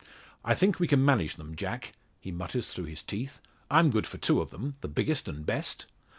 "I think we can manage them, Jack," he mutters through his teeth, "I'm good for two of them the biggest and best."